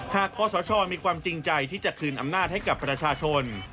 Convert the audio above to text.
คอสชมีความจริงใจที่จะคืนอำนาจให้กับประชาชน